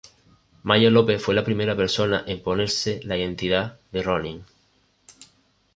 Maya Lopez fue la primera persona en ponerse la identidad de Ronin.